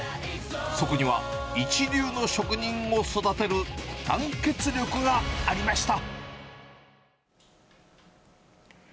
そこには一流の職人を育てる団結力がありました。